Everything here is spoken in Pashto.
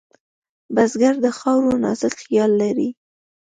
بزګر د خاورو نازک خیال لري